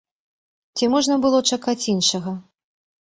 Ці можна было чакаць іншага?